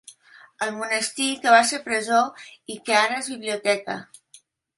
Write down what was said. El monestir que va ser presó i que ara és biblioteca.